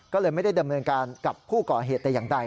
ก็เลยไม่ได้ดำเนินการกับผู้ก่อเหตุแต่อย่างใด